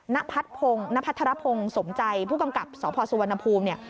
ณพัทรพงศ์สมใจผู้กำกับสพสุวรรณภูมิเนี่ย